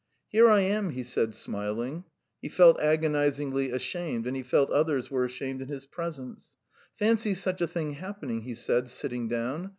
"Here I am," he said, smiling; he felt agonisingly ashamed, and he felt others were ashamed in his presence. "Fancy such a thing happening," he said, sitting down.